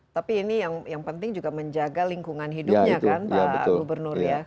tapi ini yang penting juga menjaga lingkungan hidupnya kan pak gubernur ya